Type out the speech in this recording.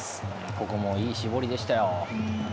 ここもいい絞りでしたよ。